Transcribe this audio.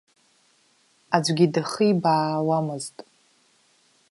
Аӡәгьы дахибаауамызт.